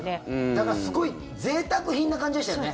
だから、すごいぜいたく品な感じでしたよね。